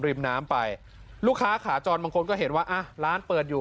ริมน้ำไปลูกค้าขาจรบางคนก็เห็นว่าอ่ะร้านเปิดอยู่